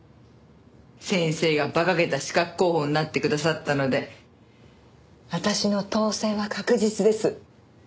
先生が馬鹿げた刺客候補になってくださったので私の当選は確実です。